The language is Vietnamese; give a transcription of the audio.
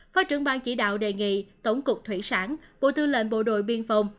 phó trưởng ban chỉ đạo đề nghị tổng cục thủy sản bộ tư lệnh bộ đội biên phòng